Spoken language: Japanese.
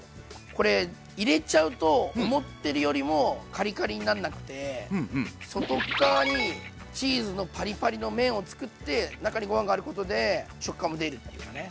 これ入れちゃうと思ってるよりもカリカリになんなくて外っ側にチーズのパリパリの面をつくって中にご飯があることで食感も出るっていうかね。